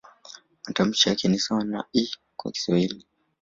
Matamshi yake ni sawa na "i" kwa Kiswahili.